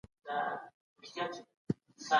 اقتصادي پرمختګ تر یوازي تولید پراخ مفهوم لري.